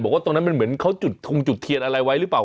บอกว่าตรงนั้นมันเหมือนเขาคงจุดเทียดอะไรไว้หรือเปล่า